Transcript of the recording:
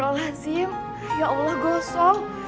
kalau habis mandi tambah cantik